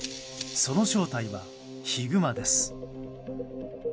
その正体はヒグマです。